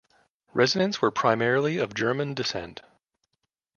Residents were primarily of German descent.